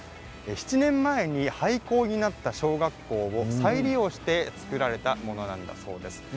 ７年前に廃校になった小学校を再利用して造られたものなんだそうです。。